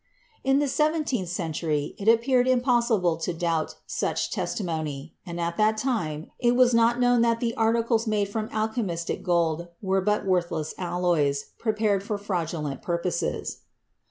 In the seventeenth century it ap peared impossible to doubt such testimony; and at that time it was not known that the articles made from alche mistic gold were but worthless alloys, prepared for fraud ulent purposes.